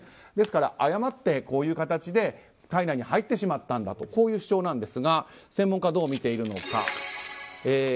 ですから、誤って体内に入ってしまったんだというこういう主張なんですが専門家はどう見ているのか。